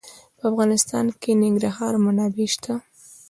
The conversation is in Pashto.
په افغانستان کې د ننګرهار منابع شته.